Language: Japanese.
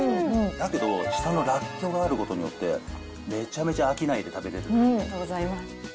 だけど下のらっきょうがあることによって、めちゃめちゃ飽きないありがとうございます。